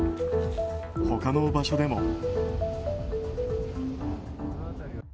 他の場所でも。